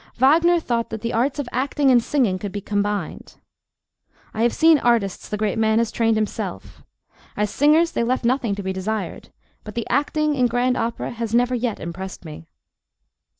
Wagner thought that the arts of acting and singing could be combined. I have seen artists the great man has trained himself. As singers they left nothing to be desired, but the acting in grand opera has never yet impressed me.